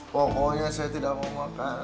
pokoknya saya tidak mau makan